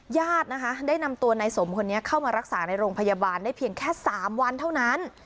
ญาตินะคะได้นำตัวนายสมคนนี้เข้ามารักษาในโรงพยาบาลได้เพียงแค่๓วันเท่านั้น